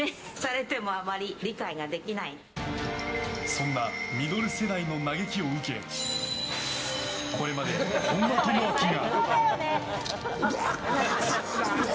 そんなミドル世代の嘆きを受けこれまで、本間朋晃が。